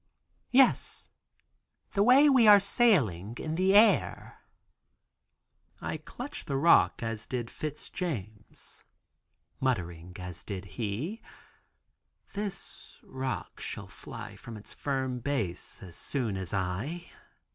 "Yes, the way we are sailing in the air." I clutch the rock (as did Fitz James) muttering as did he, "This rock shall fly from its firm base, as soon as I."